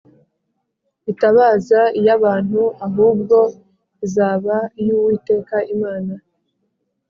itazaba iy abantu ahubwo izaba iy Uwiteka Imana